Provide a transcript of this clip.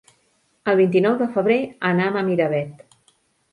El vint-i-nou de febrer anam a Miravet.